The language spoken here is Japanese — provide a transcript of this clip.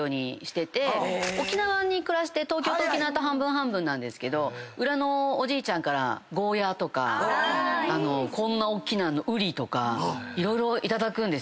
沖縄に暮らして東京と沖縄と半分半分なんですけど裏のおじいちゃんからゴーヤーとかこんなおっきなウリとか色々頂くんですよ。